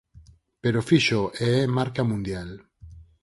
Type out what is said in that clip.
Pero fíxoo e é marca mundial".